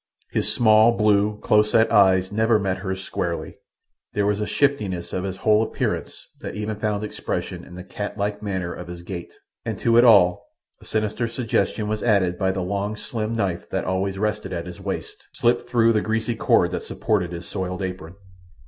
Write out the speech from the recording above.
His small, blue, close set eyes never met hers squarely. There was a shiftiness of his whole appearance that even found expression in the cat like manner of his gait, and to it all a sinister suggestion was added by the long slim knife that always rested at his waist, slipped through the greasy cord that supported his soiled apron.